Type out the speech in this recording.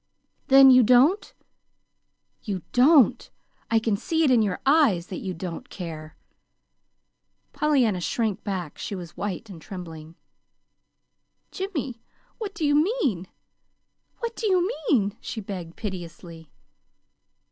"Then you don't you don't! I can see it in your eyes that you don't care!" Pollyanna shrank back. She was white and trembling. "Jimmy, what do you mean? What do you mean?" she begged piteously.